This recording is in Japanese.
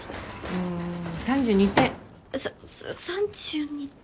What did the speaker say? うん３２点。さ３２点。